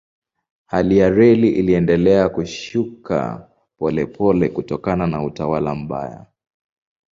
Hali ya reli iliendelea kushuka polepole kutokana na utawala mbaya.